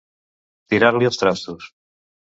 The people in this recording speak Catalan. Tirar-li els trastos.